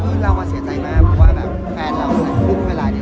เพื่อนเราก็เสียใจมากเพราะแบบแฟนเราอยู่ไม่ได้รอในก่อนเนี่ย